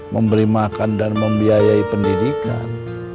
memberi makan dan membiayai pendidikan